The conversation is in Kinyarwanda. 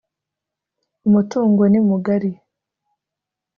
Umutungo nimugari.